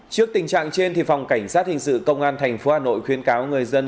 trước tình trạng trên phòng cảnh sát hình sự công an tp hà nội khuyến cáo người dân